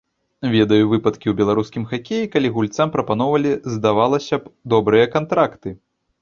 Ведаю выпадкі ў беларускім хакеі, калі гульцам прапаноўвалі, здавалася б, добрыя кантракты.